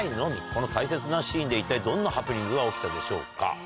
この大切なシーンで一体どんなハプニングが起きたでしょうか。